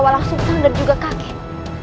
walang sumpah dan juga kakek